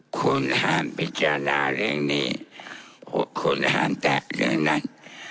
คุณห้ามพิจารณาเรื่องนี้คุณห้ามแตะเรื่องนั้น